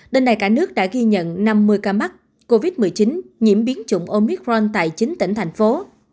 đêm nay cả nước đã ghi nhận năm mươi ca mắc covid một mươi chín nhiễm biến chủng omicron tại chín tỉnh thành phố